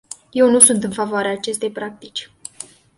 Eu nu sunt în favoarea acestei practici.